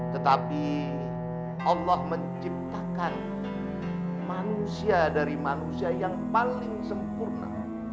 tetapi allah menciptakan manusia dari manusia yang paling sempurna